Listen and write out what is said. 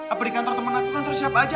atau di kantor temen aku kantor siapa aja